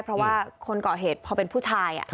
เพราะว่าคนเกาะเหตุพอเป็นผู้ชาย